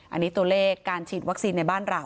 อันนี้ตัวเลขการฉีดวัคซีนในบ้านเรา